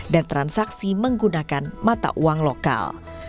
dan transaksi menggunakan mata uang lokal